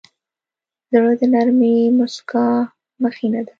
زړه د نرمې موسکا مخینه ده.